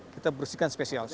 kita bersihkan spesial